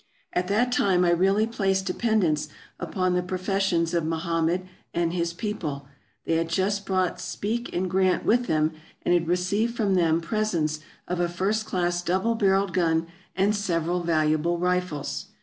At that time I really placed dependence upon the pro fessions of Mahamed and his people ; they had just brought Speke and Grant with them, and had received from them presents of a first class double barreled gun and several valuable rifles.